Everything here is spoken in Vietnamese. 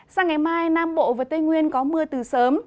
sang ngày mai nam bộ và tây nguyên có mưa từ sớm